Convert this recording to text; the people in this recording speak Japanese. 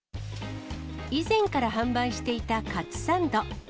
以前から販売していたかつサンド。